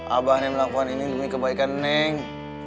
abah nem melakukan ini demi kebaikan neng